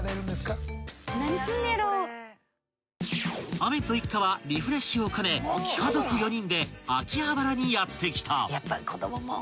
［アメッド一家はリフレッシュを兼ね家族４人で秋葉原にやって来た］